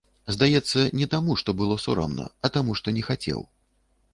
Здаецца, не таму, што было сорамна, а таму, што не хацеў.